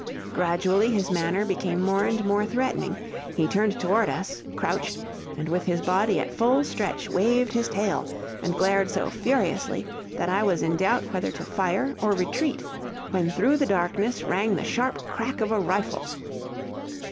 Gradually his manner became more and more threatening; he turned toward us, crouched, and with his body at full stretch, waved his tail, and glared so furiously, that I was in doubt whether to fire, or retreat, when through the darkness rang the sharp crack of a rifle.